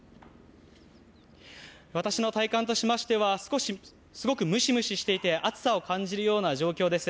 私の体感としましてはすごくムシムシしていて暑さを感じるような状況です。